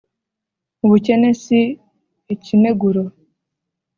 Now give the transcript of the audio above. Ubukene si ikineguro.